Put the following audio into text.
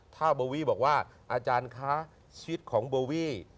ถ้าโบวี่บอกว่าอาจารย์คะชีวิตของโบวี่